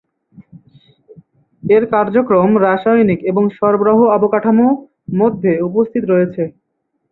এর কার্যক্রম রাসায়নিক এবং সরবরাহ অবকাঠামো মধ্যে উপস্থিত রয়েছে।